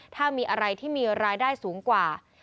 ถ้ามีอะไรที่มีรายได้สูงกว่า